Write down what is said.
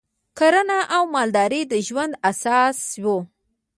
کرنه او مالداري د ژوند اساس و